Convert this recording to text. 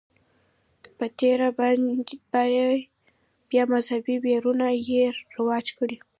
په تېره بیا مذهبي بهیرونو یې رواج کړي.